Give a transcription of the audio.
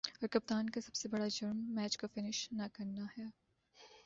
اور کپتان کا سب سے بڑا"جرم" میچ کو فنش نہ کرنا ہے ۔